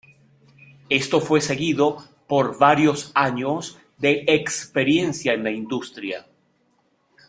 Esto fue seguido por varios años de experiencia en la industria.